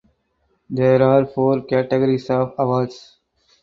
There are four categories of awards.